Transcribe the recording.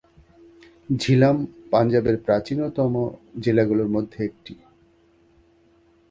ঝিলাম পাঞ্জাবের প্রাচীনতম জেলাগুলির মধ্যে একটি।